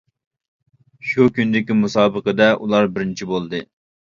شۇ كۈندىكى مۇسابىقىدە ئۇلار بىرىنچى بولدى.